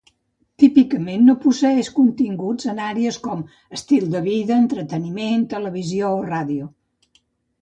Típicament no posseeix continguts en àrees com estil de vida, entreteniment, televisió o ràdio.